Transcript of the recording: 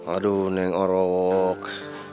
aduh neng orok